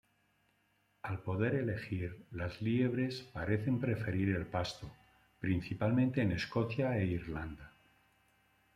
Al poder elegir, las liebres parecen preferir el pasto, principalmente en Escocia e Irlanda.